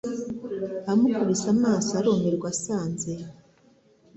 amukubise amaso arumirwa asanze